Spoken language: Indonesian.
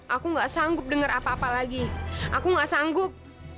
aku gak sanggup denger apa apa lagi aku gak sanggup